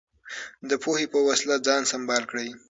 د پوهې په وسله ځان سمبال کړئ.